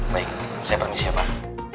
baik saya permisi amat